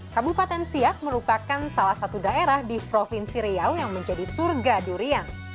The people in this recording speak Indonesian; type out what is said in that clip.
kabupaten siak merupakan salah satu daerah di provinsi riau yang menjadi surga durian